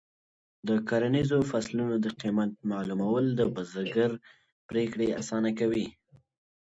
د کرنیزو فصلونو د قیمت معلومول د بزګر پریکړې اسانه کوي.